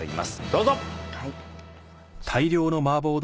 どうぞ！